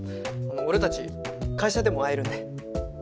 俺たち会社でも会えるんで。